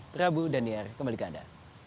prabu dan niar kembali ke anda